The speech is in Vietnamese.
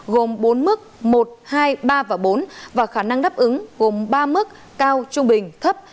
gồm bốn mức một hai ba và bốn và khả năng đáp ứng gồm ba mức cao trung bình thấp